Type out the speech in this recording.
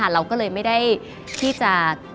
เราก็เลยไม่ได้ที่จะ